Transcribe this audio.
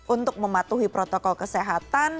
untuk mematuhi protokol kesehatan